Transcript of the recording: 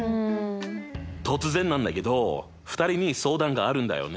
突然なんだけど２人に相談があるんだよね。